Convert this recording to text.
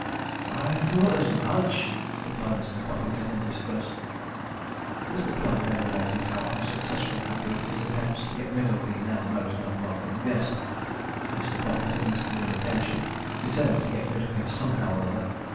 'I thought as much,' replied Mr. Puffington, in disgust. Mr. Plummey then related how unsuccessful had been his attempts to get rid of the now most unwelcome guest. Mr. Puffington listened with attention, determined to get rid of him somehow or other.